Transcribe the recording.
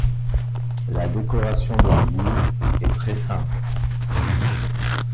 La décoration de l'église est très simple.